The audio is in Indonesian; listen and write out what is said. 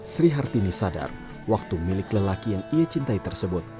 sri hartini sadar waktu milik lelaki yang ia cintai tersebut